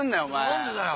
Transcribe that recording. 何でだよ。